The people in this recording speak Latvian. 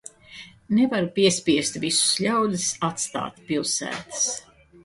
Nevar piespiest visus ļaudis atstāt pilsētas.